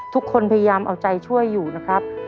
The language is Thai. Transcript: ทุกคนพยายามเอาใจช่วยอยู่นะครับ